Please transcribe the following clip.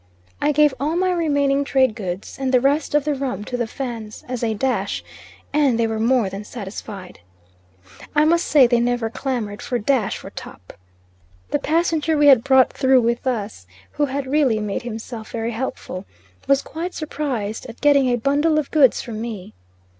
I gave all my remaining trade goods, and the rest of the rum to the Fans as a dash, and they were more than satisfied. I must say they never clamoured for dash for top. The Passenger we had brought through with us, who had really made himself very helpful, was quite surprised at getting a bundle of goods from me.